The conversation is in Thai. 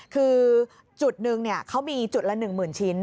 คือจุดหนึ่งเขามีจุดละ๑๐๐๐ชิ้น